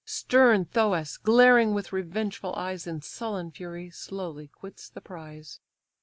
Stern Thoas, glaring with revengeful eyes, In sullen fury slowly quits the prize.